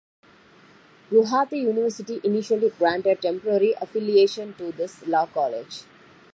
Gauhati University initially granted temporary affiliation to this law college.